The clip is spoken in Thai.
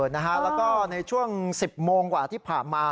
แล้วก็ในช่วง๑๐โมงกว่าที่ผ่านมา